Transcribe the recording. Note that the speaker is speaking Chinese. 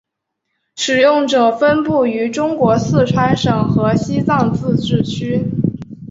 使用者分布于中国四川省和西藏自治区。